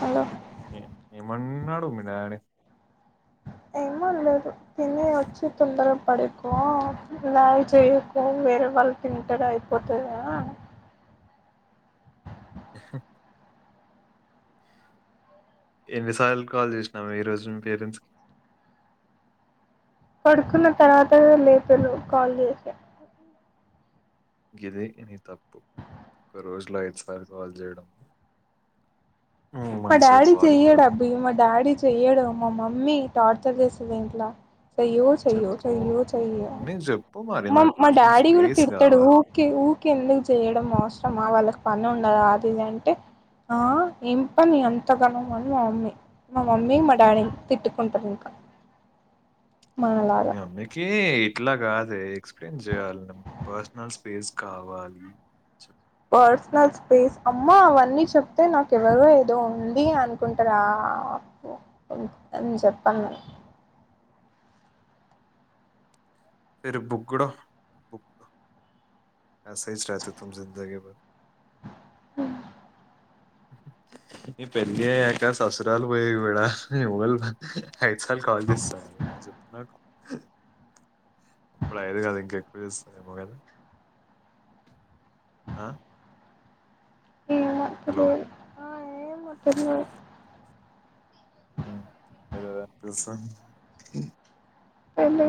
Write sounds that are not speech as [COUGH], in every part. Hello ఏమ కన్నాడు మినడి ఏమ లేదు తిన వచ్చి తొందరగా పడికో గ చేయకు వేరే వాళ్ళు తింటాడు అయిపోతుద ఎన్ని సార్లు కాల్ చేసినాము ఈ రోజు మీ పేరెంట్స్ కి పడుకున్న తర్వాత లేపో నువ్ కాల్ చేసా గిరి ఇని తప్పు ఒక రోజులో ఐదుసారి కాల్ చేయడం నువ్వు మా మంచిగా డాడీ కాల్ చెయ్యడా ఎత్తడము. అబ్బయి మా డాడీ చేయ్యడం మా మమ్మీ టార్చర్ చేసేద ఇంట్ల చెయ్యో చెయ్యో చెప్పు. చెయ్యో చెయ్యో మమ్మీకి చెప్పు మరి మా నాకు మా కొంచెం డాడీ కూడా స్పేస్ తిడతాడు కావాలి. ఊకే ఊరికే ఎందుకు చేయడం అవసరమా వాళ్ళకి పని ఉండదు అది ఇ అంటే ఏం అంతగాన అని మా మమ్మీ మా మమ్మీ మా డాడీ తిట్టుకుంటారు ఇంకా మనలాగా మీ అమ్మకి ఎట్లాగాదు అదే ఎక్స్పీరియన్ చేయాలి పర్సనల్ స్పేస్ కావాలి పర్సనల్ స్పేస్ అమ్మ అవన్నీ చెప్తే నాకు ఎవరో ఏదో ఉంది అనుకుంటారా చెప్పాను నేను ఫిరు బుగడో బు సే రతే తు జిందగీ భ హ [UNINTELLIGIBLE] ఐదు సార్లు కాల్ చేస్తనును చెప్పావు నాకు ఉ ఇప్పుడు అయదు కదా ఇంకెక్కువ చూస్తారేమో కదా ఆ హలో ఏమో తెలియదు ఏదదూ హలో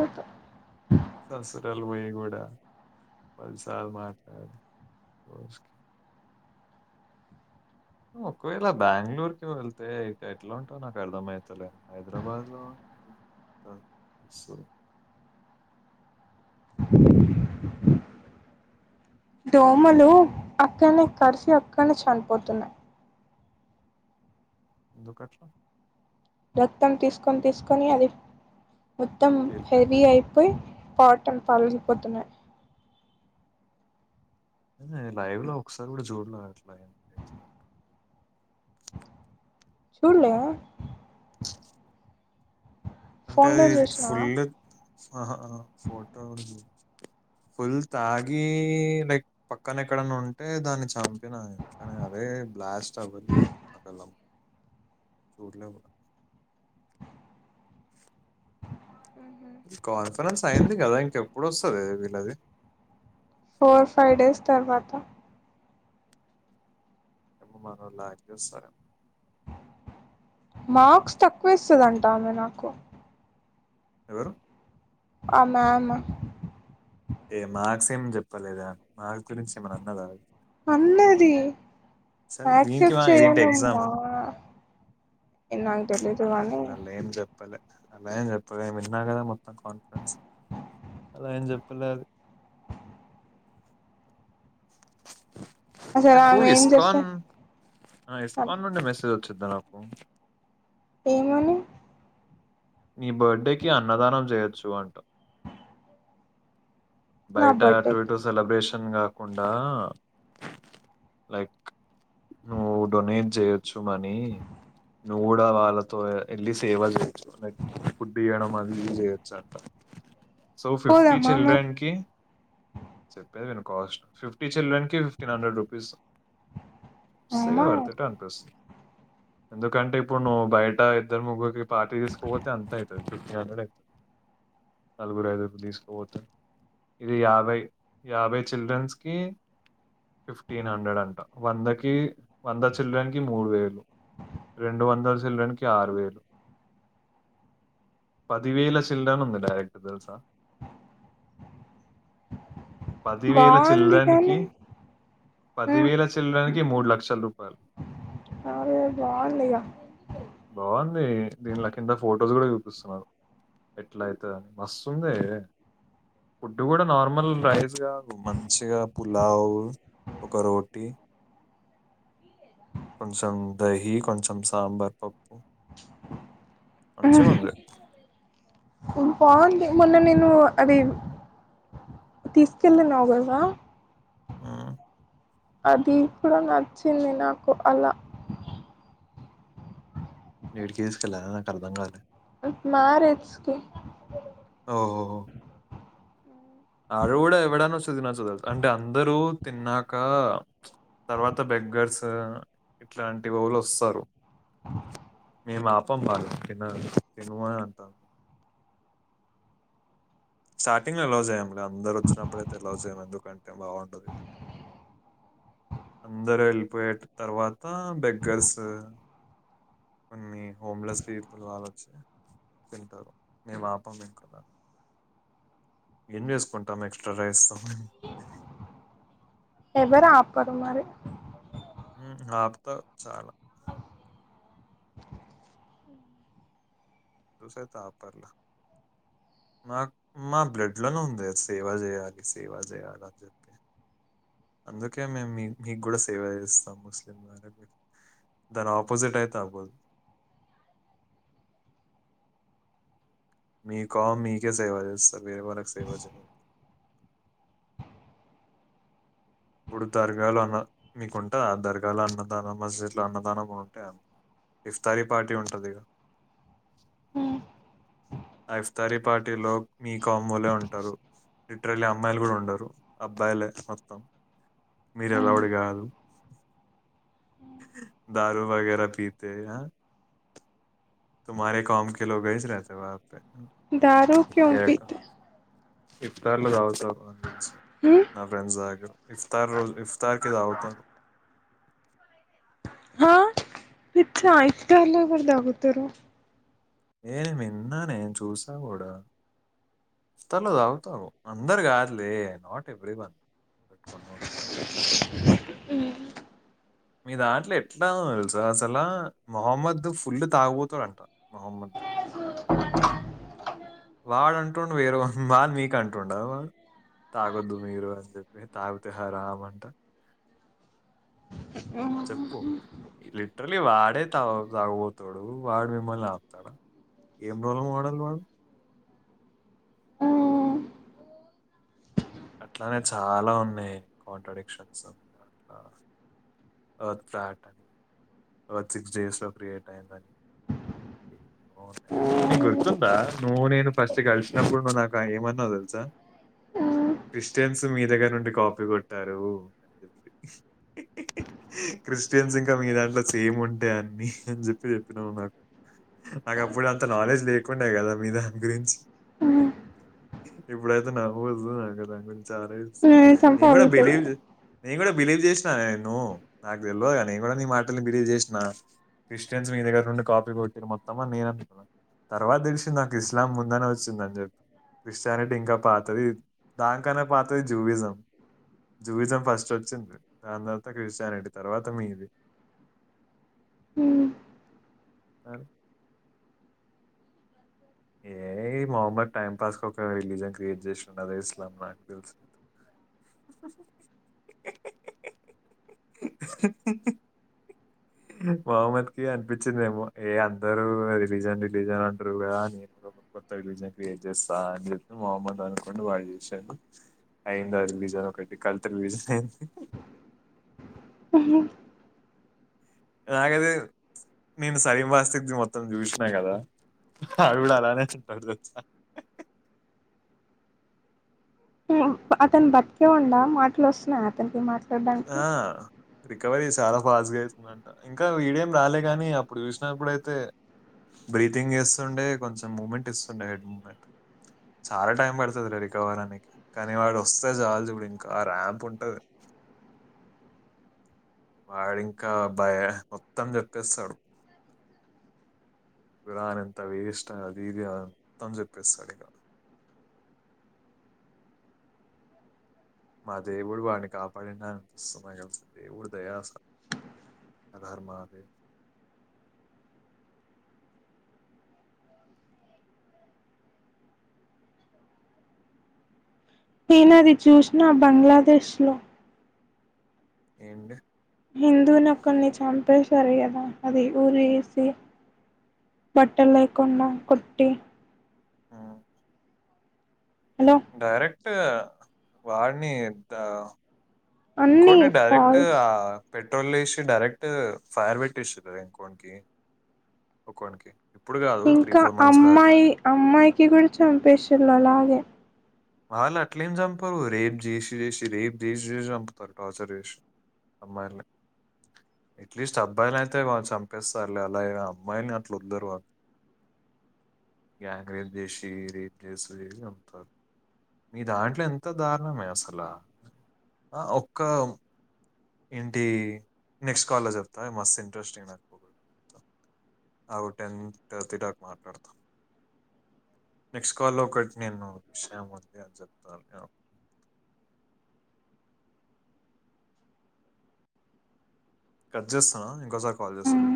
ససురాలు పోయి కూడా పదిసార్ మాట్లాడు ఒకవేళ బెంగళూరుకి వెళ్తే ఇక ఎట్లా ఉంటావు నాకు అర్థమవుతలే హైదరాబాద్ లో దోమలు అక్కనే కర్సి అక్కనే చనిపోతున్నాయి దుప్పట్లో రక్తం తీసుకొని తీసుకొని అది మొత్తం పేలిపోయిందా హెవీ అయిపోయి పాటలు పగిలిపోతున్నాయి లైవ్ లో లో ఒకసారి కూడా చూడలేట్లా చూడలే అంటే ఫోన్లో అది చూసినావా ఫుల్ ఆహా ఫోటో ఉంది ఫుల్ తాగి లైక్ పక్కన ఎక్కడన్నా ఉంటే దాన్ని చంపు కానీ అదే బ్లాస్ట్ అపోద్దు నాకెళ్ళం చూడులో కూడా కాన్ఫరెన్స్ అయింది కదా ఇంకెప్పుడు వస్తుంది వీళ్ళది ఫోర్ ఫైవ్ డేస్ తర్వాత బ్లాక్ చేస్తారు మార్క్స్ తక్కువ ఇస్తుందంటా ఆమె నాకు ఎవరు. ఆమె ఆమ. ఏ మాక్స్ ఏం చెప్పలేదా మాక్స్ గురించి ఏమన్నా అన్నదా. అన్నది. సరే దీనికి మా ఆక్సెప్ట్ ఇదేంటి చేయనమా. ఎగ్జామా నాకు తెలియదు గాని అలా ఏం చెప్పలే అలా ఏం చెప్పలే ఏ విన్నా కదా మొత్తం కాన్ఫిడెన్స్ అలా ఏం చెప్పలే అసలు అది కు ఆమె ఏం చెప్తా ఇస్కోన్ ఇస్కోన్ మెసేజ్. వచ్చేద్దా నాకు. ఏమని నీ బర్త్డేకి అన్నదానం చేయొచ్చు అంటా. నా బయట బర్త్డే అటూ ఇటూ సెలెబ్రేషన్. న్ కాకుండా లైక్ నువ్వు డొనేట్ చేయొచ్చు మనీ నువ్వు కూడా వాళ్ళతో వెళ్ళి సేవ చేయొచ్చు ఫుడ్ ఇయడం అది చేయొచ్చు అంటా. సో ఫిఫ్టీ పోదామా మరి చిడ్రెన్కి. చెప్పేది నేను కాస్ట్ ఫిఫ్టీ చిల్డ్రన్ కి ఫిఫ్టీన్ హండ్రెడ్ రూపీస్. స్ అమ్మా వత్రిట్ అనిపిస్తుంది. ఎందుకంటే ఇప్పుడు నువ్వు బయట ఇద్దరు ముగ్గురుకీ పార్టీ తీసుకోపోతే అంత అయితాది ఫిఫ్టీ హండ్రెడ్ అయితుంది నలుగు ఐదురిని తీసుకుపోతే ఇది యాభై యాభై చిల్డ్రన్స్ కి ఫిఫ్టీన్ హండ్రెడ్ అంట వందకి వంద చిల్డ్రన్ కి మూడు వేలు రెండు వందల చిల్డ్రన్ కి ఆరు వేలు పది వేల చిల్డ్రన్ ఉంది డైరెక్ట్ తెలుసా పది వేల బాగుంది చిల్డ్రన్ కి కానీ పది వేల చిల్డ్రన్ కి మూడులక్ష ల రూపాయలు అరే బాగుంది గా బాగుంది దీనిలో కింత ఫొటోస్ కూడా చూపిస్తున్నారు ఎట్లా అయితదని మస్తుంది ఫుడ్ కూడా నార్మల్ రైస్ మంచిగా పులావ్ ఒక రోటి కొంచం దహి కొంచం సాంబార్ మంచిగుంది బాగుంది మొన్న నేను అది తీసుకెళ్ళనావు కదరా హుమ్ అది ఇప్పుడు నచ్చింది నాకు అలా ఎడికి ఏసుకెళ్ళా నాకు అర్దంకాలే మారేజ్ కి ఓహోహో ఆడ గుడా ఎవడైనా వస్తే తినొచ్చు అంటే అందరూ తిన్నాకా తర్వాత బెగ్గర్స్ ఇట్లాంటి వాళ్ళు వస్తరు పాపం బా తిన తినమనే అంట స్టార్టింగ్ లో అల్లో చేయం అందరు వచ్చినప్పుడయితే ఎలావ్ చేయరు ఎందుకంటే బాగుండదు అందరు వెళ్ళిపోయే తర్వాత బెగ్గర్స్ కొన్ని హోమ్లెస్ పీపుల్ వాళ్ళు వచ్చి తింటారు మేము ఆపం ఇంక ఏం చేసుకుంటాం ఎక్స్ట్రా రైస్ ఎవరు ఆపరు మరి హుమ్ ఆపుతారు చాలా చూసయితే ఆపర్లే మాకు మా బ్లడ్ లోనే ఉంది సేవ చేయాలి సేవా చేయాల అని చెప్పి అందుకే మేము మీకు గుడా సేవ చేస్తాం ముస్లిం వారు దాని ఆపోజిట్ అయితే అవ్వదు మీ కామ్ మీకే సేవ చేస్త వేరే వాళ్ళకి సేవ చేయ ఇప్పుడు దర్గాలో అన్న మీకుంటాద ఆ దర్గాలో అన్నదానం మస్జిద్ లో అన్నదానం ఉంటే ఇఫ్తారీ పార్టీ ఉంటది గ ఆ ఇఫ్తారీ పార్టీలో మీ కామూలే ఉంటారు లిటరలీ అమ్మాయిలు కూడా ఉండరు అబ్బాయిలే మొత్తం మీరెలావుడి కాదు దారుూ వగర పితే తుమ్హారే కామ క లో వసి రతే వ పే దారుూ క్యోపిిత ఇతలోవత [UNINTELLIGIBLE] నా ఫ్రెండ్స్ ఆగరు ఇఫ్తార రోజ ఇఫ్తార కదావతారు ఇచ్చ అయితే ఇఫ్తార్ లో తాగతరు ఏ మన్న నేను చూసా కూడా ఇఫ్తార్ లో తాగుతరు అందరు కాదులే నాట్ ఎవ్రీ వన్ కొంత మంది మీ దాంట్లో ఎట్లా తెలుసా అసలా మొహమ్మద్ ఫుల్ తాగుబోతోడంట మొహమ్మద్ వాడు అంటుండు వేరే వాళ మీకు అంటుండ వాడు తాగొద్దు మీరు అని చెప్పి తాగుతే హ రామ్ అంట చెప్పు లిటరలీ వాడే తా తాగబోతోడు వాడు మిమ్మల్ని ఆపుతాడా ఏం రోల్ మోడల్ వాడు అట్లానే చాలా ఉన్నాయి కాంట్రడిక్షన్స్ అ అట్లా వత్త ఆట వచి సిక్స్ డేస్ లో క్రియేట్ అయిందని గుర్తుందా నువ్వు నేను ఫస్ట్ కలిసినప్పుడు నువ్వు నాకు ఏమన్నావు తెలుసా క్రిస్టియన్స్ మీ దగ్గర నుండి కాపీ కొట్టారు అని తెలిసి క్రిస్టియన్స్ ఇంకా మీ దాంట్లో సేమ్ ఉంటాయి అన్ని అని చెప్పి చెప్పినాము నాకు నాకు అప్పుడే అంత నాలెడ్జ్ లేకుంండే కదా మీ దాని గురించి ఇప్పుడైతే నవవు వదు నా దాని గురించి సే న కూడా చంపగలుగుతది బిలీవ్ నేను కూడా బిలీవ్ చేసినా నేన్న నాకు తెలియదు నేను కూడా నీ మాటని బిలీవ్ చేసిన క్రిస్టియన్స్ మీ దగ్గర నుండి కాపీలు కొట్టి మొత్తంని నేను అనుకున్నా తర్వాత తెలిసింది నాకు ఇస్లాం ముందనే వచ్చిందని చెప్పి క్రిస్టియానిటీ ఇంకా పాతంది దానికన్నా పాతది జూవిజం జూవిజం ఫస్ట్ వచ్చింది దాని తర్వాత క్రి చ్చనడి తర్వాత మీది ఏ మొహమ్మద్ టైం పాస్ క ఒక రిలీజన్ క్రియేట్ చేసిడు అదే ఇస్లాం నాకు తెలుసుదు మొహమ్మద్ కి అనిపించిందేమో ఏ అందరుూ రిలీజన్ రిలీజన్ అంటారు కదా నేను కూడా కొత్త రిలీజన్ క్రియేట్ చేస్తా అని చెప్పి మొహమ్మద్ అనుకోండి వాళ్ళు చూశాను అయింది ఆ రిలీజన్ ఒకటి కళత రిలీజన్ అయింది ఆ నాలాగతే నేను సరం బాస్క్తి మొత్తం చూసినా కదా ఆవి కూడా అలానే ఉంటాడు చ అతను బతికే ఉండా మాటలు వస్తున్నాయి అతనికి మ ఆ రికవరీ చాలా ఫాస్ట్గా అవుతుందంట ఇంకా వడిం రాలే కానీ అప్పుడు చూసినప్పుడుయితే బ్రీతింగ్ చేస్తుండే కొంచెం మూమెంట్ ఇస్తుండే హెడ్ మూ్మెంట్ చాలా టైం పడుతుందిలే రికవర్ అనికి కానీ వాడు వస్తే చాల చూడు ఇంకా ర్యాంప్ ఉంటది వాడింకా భయ మొత్తం చెప్పేస్తాడు విరాన్ ఎంత వేష్ట అది ఇది అ మొత్తం చెప్పేస్తాడు ఇక మా దేవుడు వాడిని కాపాడినంతస్తుమలుస దేవుడు దయా స హరహర మహాదేవ నేనది చూసిన బంగ్లాదేశ్ లో ఏండ్ హిందువు నొక్కని చంపేశారు కదా అది ఊరి వేసి బట్ట లేకుండా కొట్టి హ్మ్. హలో డైరెక్ట్ వాడిని ఎద్ద అన్ని ఇంకోండి డైరెక్ట్ ఫాల్స్ పెట్రోల్ వేసి డైరెక్ట్ ఫైర్ పెట్టిస్తుంది ఇంకోకి ఒకనికి ఇంకా అమ్మాయి అమ్మాయికి కూడా చంపేశళులాగే వాళ్ళు అట్లేమి చంపరు రేపు చేసి చేసి రేపు చేసి చేసి చంపుతారు టార్చర్ చేసి అమ్మాయిల్ని ఎట్లీస్ట్ అబ్బాయిని అయితే వాు చంపేస్తారులే అలాగ అమ్మాయిని అట్లు ఉద్దరు వాళ్ళు గ్యాంగ్ రేపు చేసి రేపు చేసి చేసి చంపుతారు మీ దాంట్లో ఎంత దారుణమే అసలు ఆ ఒక్క ఏంటి నెక్స్ట్ కాల్ లో చెప్తా మస్తు ఇంట్రెస్టింగ్ అప్పుడు టెన్ థర్టీ దాకా మాట్లాడతా నెక్స్ట్ కాల్లో ఒకటి నేను విషయం ఉంది అని చెప్తాను కట్ చేస్తున్నా ఇంకోసారి కాల్ చేస్తా చూడు